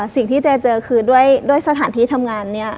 สิ่งที่เจ๊เจอคือด้วยสถานที่ทำงานเนี่ย